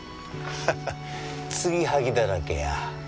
ハハッ継ぎ接ぎだらけや。